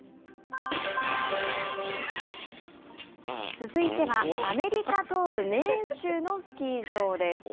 続いては、アメリカ東部メーン州のスキー場です。